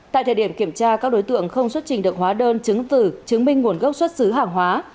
tại thời điểm kiểm tra các đối tượng không xuất trình được hóa đơn chứng từ chứng minh nguồn gốc xuất xứ hàng hóa